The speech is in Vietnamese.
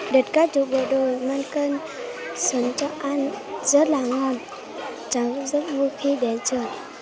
được các chú bộ đội mang cơm xuống cho ăn rất là ngon cháu rất vui khi đến trường